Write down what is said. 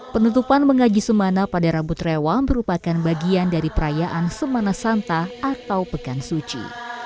penutupan mengaji semana pada rambut rewa merupakan bagian dari perayaan semana santa atau pekan suci